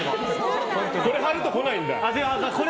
これ貼ると来ないんだ。